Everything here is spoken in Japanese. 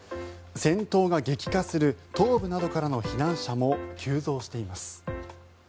戦闘が激化する東部などからの避難者も急増しています。